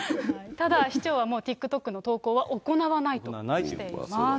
ただ、市長はもうＴｉｋＴｏｋの投稿は行わないとしています。